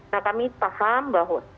nah kami paham bahwa